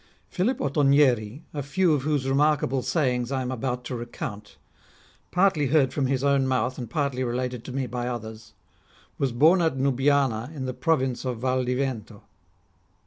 Philip Ottonieri, a few of whose remarkable sayings I am about to recount, partly heard from his own mouth and partly related to me by others, was born at Nubiana in the province of 'Valdivento.